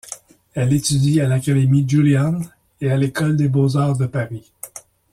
Elle étudie à l’académie Julian et à l’École des beaux-arts de Paris.